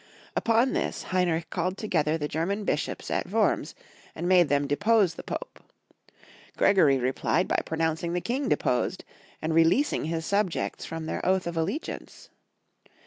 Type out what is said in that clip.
Upon this Heinrich called together the German bishops at Wurms, and made them depose the Pope. Gregory replied by pronouncing the King deposed, and re leasing his subjects from their oath of allegiance.